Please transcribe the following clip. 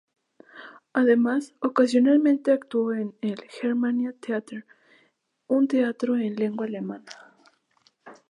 Además, ocasionalmente actuó en el Germania-Theater, un teatro en lengua alemana.